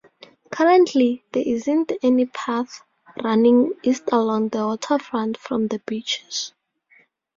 Currently, there isn't any path running east along the waterfront from the Beaches.